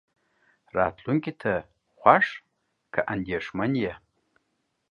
راتلونکې ته خوښ که اندېښمن يې.